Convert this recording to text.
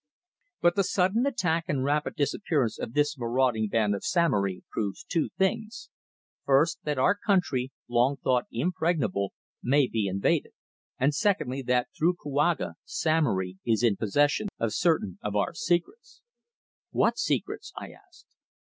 But the sudden attack and rapid disappearance of this marauding band of Samory proves two things; first that our country, long thought impregnable, may be invaded, and secondly that through Kouaga Samory is in possession of certain of our secrets." "What secrets?" I asked.